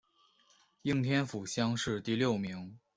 应天府乡试第六名。